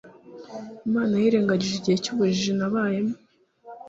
imana yirengagije igihe cy'ubujiji twabayemo